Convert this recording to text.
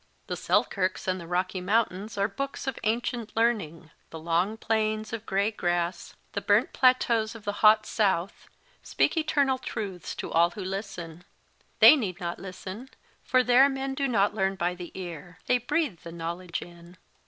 The Selkirks and the Rocky Mountains are books of ancient learning : the long plains of grey grass, the burnt plateaus of the hot South, speak eternal truths to all who listen. They need not listen, for there men do not learn by the ear. They breathe the knowledge in.